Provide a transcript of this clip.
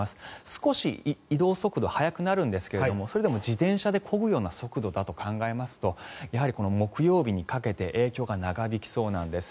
少し移動速度、速くなるんですがそれでも自転車でこぐような速度だと考えますとやはり木曜日にかけて影響が長引きそうなんです。